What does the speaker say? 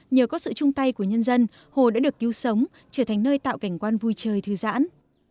nhờ có sự chung tay của nhân dân hồ đã được cứu sống trở thành nơi tạo cảnh quan vui chơi thư giãn